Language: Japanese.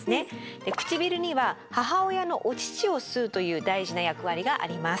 くちびるには母親のお乳を吸うという大事な役割があります。